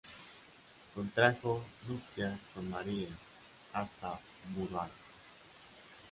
Contrajo nupcias con María Astaburuaga.